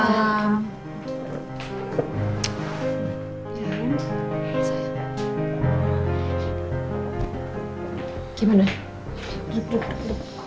duduk duduk duduk